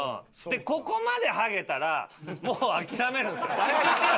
でここまでハゲたらもう諦めるんですよ。